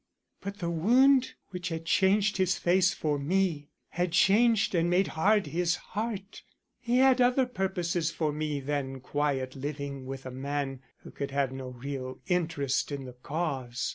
But the wound which had changed his face for me had changed and made hard his heart. He had other purposes for me than quiet living with a man who could have no real interest in the Cause.